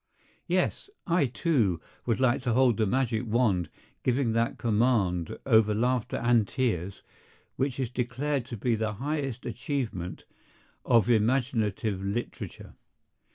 Yes! I, too, would like to hold the magic wand giving that command over laughter and tears which is declared to be the highest achievement of imaginative literature.